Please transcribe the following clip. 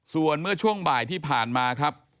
ส่วนเมื่อช่วงบ่ายที่ผ่านมาครับ